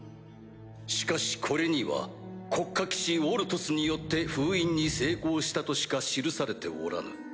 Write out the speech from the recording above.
しかしこれには「国家騎士オルトスによって封印に成功した」としか記されておらぬ。